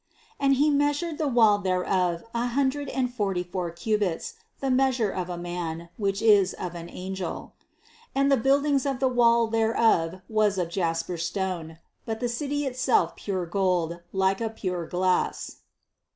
17. And he measured the wall thereof a hundred and forty four cubits, the measure of a man, which is of an angel. 18. And the buildings of the wall thereof was of jasper stone; but the city itself pure gold,, like to pure glass."